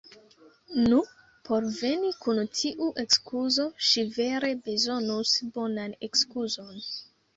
Nu, por veni kun tiu ekskuzo ŝi vere bezonus bonan ekskuzon!